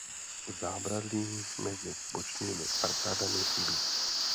Zábradlí mezi bočními arkádami chybí.